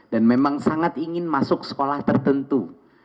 dan memang sangat ingin masuk sekolah tertentu